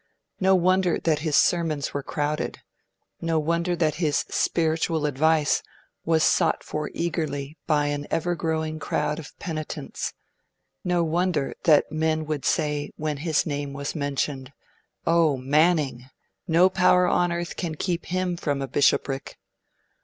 No wonder that his sermons drew crowds, no wonder that his spiritual advice was sought for eagerly by an ever growing group of penitents; no wonder that men would say, when his name was mentioned, 'Oh, Manning! No power on earth can keep HIM from a bishopric!'